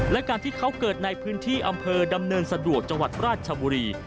และการที่เขาเกิดในพื้นที่อำเภอดำเนินสะดวกจังหวัดราชบุรี